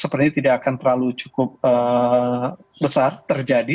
sepertinya tidak akan terlalu cukup besar terjadi